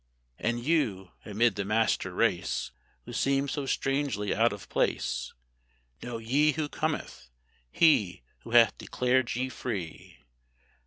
And you, amid the master race, Who seem so strangely out of place, Know ye who cometh? He Who hath declared ye free.